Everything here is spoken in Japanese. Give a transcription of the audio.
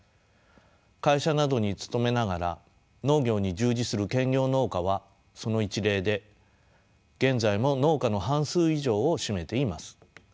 会社などに勤めながら農業に従事する兼業農家はその一例で現在も農家の半数以上を占めています。